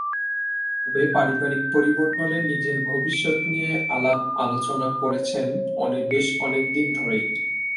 তবে পারিবারিক পরিমণ্ডলে নিজের ভবিষ্যত্ নিয়ে আলাপ-আলোচনা করেছেন বেশ অনেক দিন ধরেই।